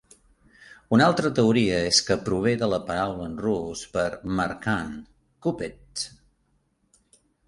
Una altra teoria és que prové de la paraula en rus per mercant, "kupets".